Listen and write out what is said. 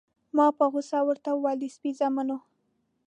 ما په غوسه ورته وویل: د سپي زامنو.